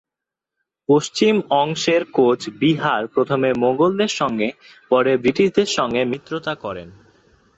পশ্চিম অংশের কোচ বিহার প্রথমে মোগলদের সঙ্গে এবং পরে ব্রিটিশদের সঙ্গে মিত্রতা করে।